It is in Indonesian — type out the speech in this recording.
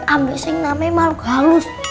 ambil saja yang namanya mahluk halus